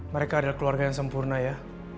mereka adalah keluarga yang sempurna ya